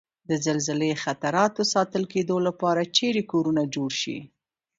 د زلزلوي خطراتو ساتل کېدو لپاره چېرې کورنه جوړ شي؟